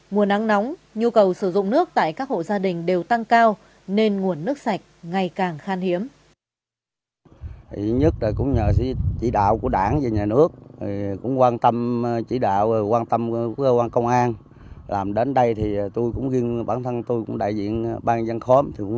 mùa nắng nóng nhu cầu sử dụng nước tại các hộ gia đình đều tăng cao nên nguồn nước sạch ngày càng khan hiếm